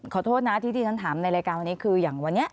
ขอโทษนะที่ที่ฉันถามในรายการวันนี้คืออย่างวันนี้